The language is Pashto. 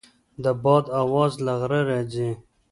د باد اواز له غره راځي.